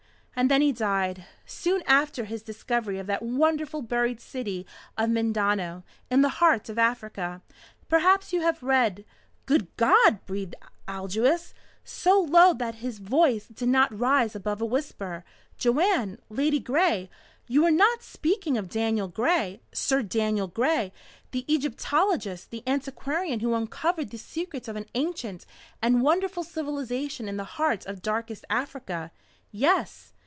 And then he died, soon after his discovery of that wonderful buried city of Mindano, in the heart of Africa. Perhaps you have read " "Good God," breathed Aldous, so low that his voice did not rise above a whisper. "Joanne Ladygray you are not speaking of Daniel Gray Sir Daniel Gray, the Egyptologist, the antiquarian who uncovered the secrets of an ancient and wonderful civilization in the heart of darkest Africa?" "Yes."